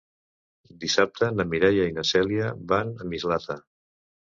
Dissabte na Mireia i na Cèlia van a Mislata.